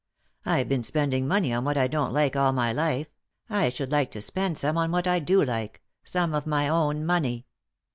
I've been spending money on what I don't like all my life ; I should like to spend some on what I do like— some of my own money.